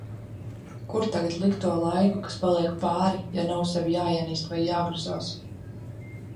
Kur tagad likt to laiku, kas paliek pāri, ja nav sevi jāienīst vai jāgruzās.